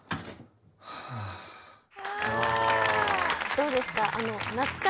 どうですか？